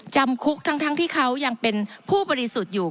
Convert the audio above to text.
จำคุกทั้งที่เขายังเป็นผู้บริสุทธิ์อยู่